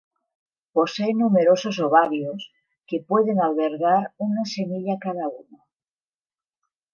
Posee numerosos ovarios que pueden albergar una semilla cada uno.